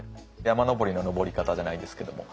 山登りの登り方じゃないんですけども。